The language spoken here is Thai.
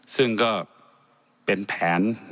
ซึ่งก็เป็นแผน